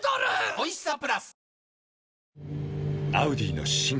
おいしさプラス